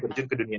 terjun ke dunia